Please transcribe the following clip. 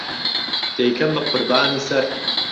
دهیکهم به قوربانی سهر